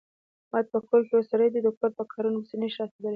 احمد په کور کې یو سری دی، د کور په کارنو پسې نشي رسېدلی.